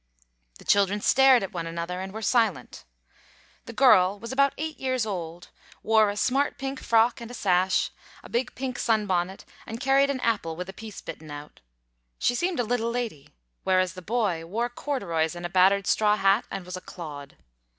The children stared at one another, and were silent. The girl was about eight years old, wore a smart pink frock and sash, a big pink sun bonnet, and carried an apple with a piece bitten out. She seemed a little lady; whereas the boy wore corduroys and a battered straw hat, and was a clod.